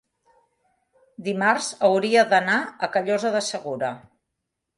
Dimarts hauria d'anar a Callosa de Segura.